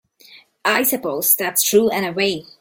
I suppose that's true in a way.